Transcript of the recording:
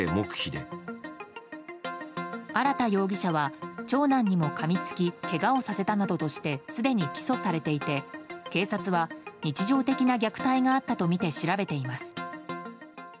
荒田容疑者は長男にもかみつきけがをさせたなどとしてすでに起訴されていて警察は日常的な虐待があったとみて調べています。